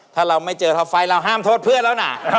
ถ้าเราไม่เจอท็อปไฟต์เราห้ามโทษเพื่อนแล้วนะ